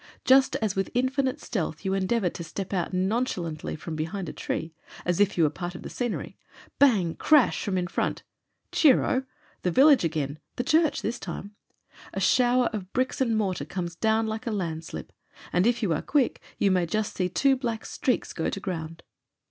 Just as with infinite stealth you endeavour to step out non chalantly from behind a tree, as if you were part of the scenery — bang! crash! from in front. Cheer ohl the village again, the church this time. A shower of bricks and mortar comes down like a landslip, and if you are quick you may just see two black streaks go to ground.